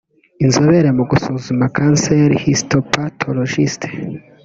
Inzobere mu gusuzuma Kanseri (Histopathologist)